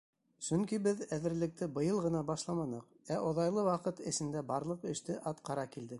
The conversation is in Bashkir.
Сөнки беҙ әҙерлекте быйыл ғына башламаныҡ, ә оҙайлы ваҡыт эсендә барлыҡ эште атҡара килдек.